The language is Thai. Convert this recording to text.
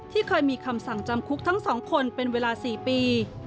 เคยมีคำสั่งจำคุกทั้ง๒คนเป็นเวลา๔ปี